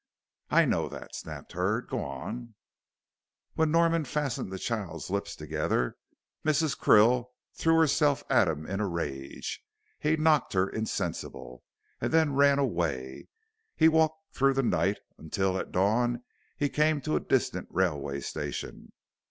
"I know that," snapped Hurd. "Go on." "When Norman fastened the child's lips together, Mrs. Krill threw herself on him in a rage. He knocked her insensible, and then ran away. He walked through the night, until, at dawn, he came to a distant railway station.